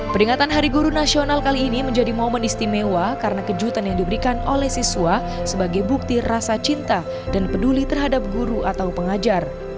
peringatan hari guru nasional kali ini menjadi momen istimewa karena kejutan yang diberikan oleh siswa sebagai bukti rasa cinta dan peduli terhadap guru atau pengajar